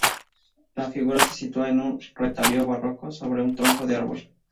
La figura se sitúa en un retablo barroco sobre un tronco de árbol.